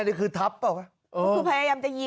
นี่คือทับป่ะ